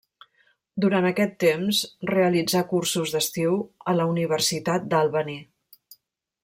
Durant aquest temps realitzà cursos d'estiu a la Universitat d'Albany.